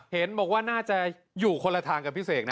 เห็นบอกว่าน่าจะอยู่คนละทางกับพี่เสกนะ